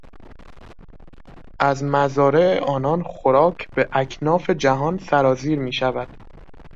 از مزارع آنان خوراک به اکناف جهان سرازیر میشود.